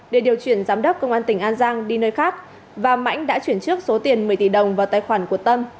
để điều chuyển giám đốc công an tỉnh an giang đi nơi khác và mãnh đã chuyển trước số tiền một mươi tỷ đồng vào tài khoản của tâm